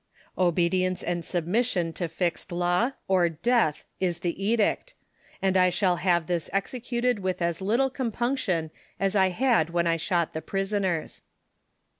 Obedience and submission to fixed law or deatli is the edict, and I shall liave this executed with as little com punction as I had when I sliot the prisoners.